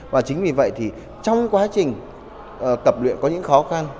và chính vì vậy thì trong quá trình tập luyện có những khó khăn